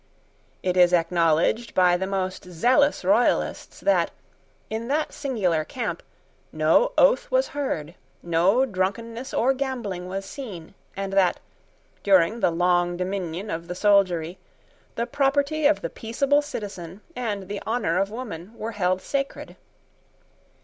It is acknowledged by the most zealous Royalists that, in that singular camp, no oath was heard, no drunkenness or gambling was seen, and that, during the long dominion of the soldiery, the property of the peaceable citizen and the honour of woman were held sacred.